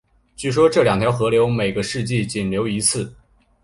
据说这两条河流每个世纪仅流一次。